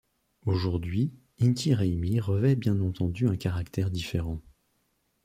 Aujourd'hui, Inti Raymi revêt bien entendu un caractère différent.